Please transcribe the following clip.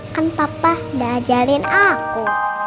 kan papa udah ajalin aku